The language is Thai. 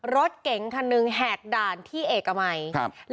รถเก๋งคันหนึ่งแหกด่านที่เอกมัยครับ